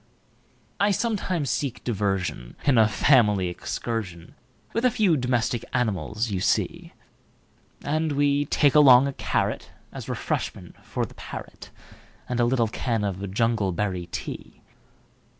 I sometimes seek diversionIn a family excursionWith the few domestic animals you see; And we take along a carrotAs refreshment for the parrot, And a little can of jungleberry tea.